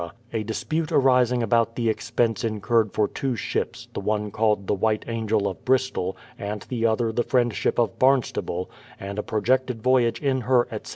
a dispute arising about the expense incurred for two ships, the one called the White Angel of Bristol, and the other the Friendship of Barnstable, and a projected voyage in her, etc.